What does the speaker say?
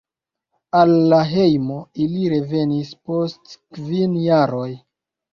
Al la hejmo ili revenis post kvin jaroj.